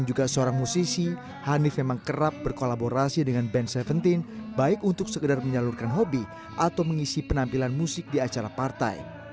juga seorang musisi hanif memang kerap berkolaborasi dengan band tujuh belas baik untuk sekedar menyalurkan hobi atau mengisi penampilan musik di acara partai